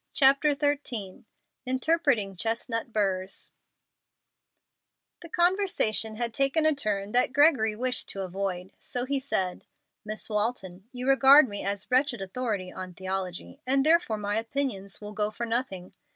CHAPTER XIII INTERPRETING CHESTNUT BURRS The conversation had taken a turn that Gregory wished to avoid, so he said: "Miss Walton, you regard me as wretched authority on theology, and therefore my opinions will go for nothing.